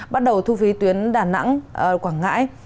bắt đầu thu phí tuyến đà nẵng quảng ngãi